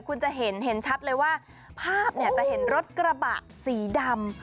คุณจะเห็นเห็นชัดเลยว่าภาพเนี่ยจะเห็นรถกระบะสีดำ